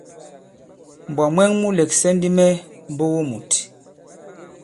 Mbwǎ mwɛ̀ŋ mu lɛ̀ksɛ̀ ndi mɛ mbogo mùt.